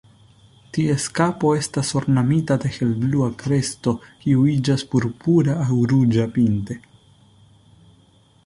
Ties kapo estas ornamita de helblua kresto, kiu iĝas purpura aŭ ruĝa pinte.